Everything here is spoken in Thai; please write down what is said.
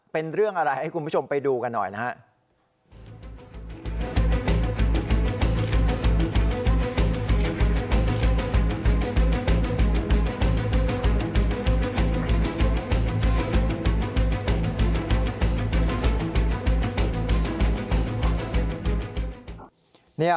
เป็นเรื่องอะไรให้คุณผู้ชมไปดูกันหน่อยนะฮะ